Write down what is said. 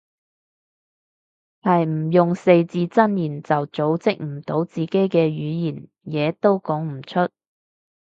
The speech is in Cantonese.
係唔用四字真言就組織唔到自己嘅語言，嘢都講唔出